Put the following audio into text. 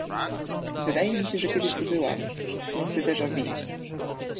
Wydaje mi się, że kiedyś tu byłam, jakby deja vu.